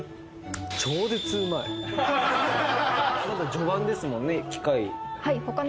序盤ですもんね機械。